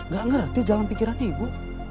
ga ngerti jalan pikirannya ibu